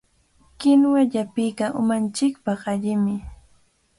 Kinuwa llapiqa umanchikpaq allimi.